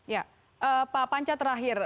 ya pak panca terakhir